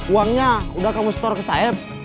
uangnya udah kamu store ke saf